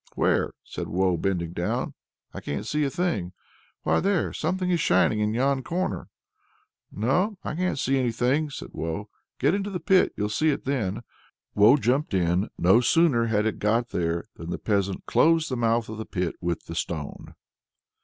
"Where?" said Woe, bending down; "I can't see a thing." "Why there; something is shining in yon corner!" "No, I can't see anything," said Woe. "Get into the pit; you'll see it then." Woe jumped in: no sooner had it got there than the peasant closed the mouth of the pit with the stone.